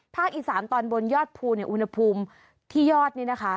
อีสานตอนบนยอดภูเนี่ยอุณหภูมิที่ยอดนี่นะคะ